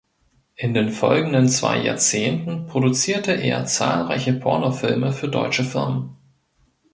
In den folgenden zwei Jahrzehnten produzierte er zahlreiche Pornofilme für deutsche Firmen.